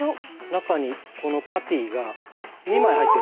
中にこのパティが２枚入ってるんですよ。